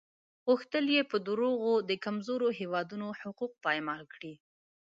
غوښتل یې په دروغو د کمزورو هېوادونو حقوق پایمال کړي.